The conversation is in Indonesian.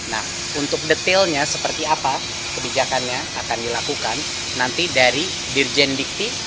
nah untuk detailnya seperti apa kebijakannya akan dilakukan nanti dari dirjen dikti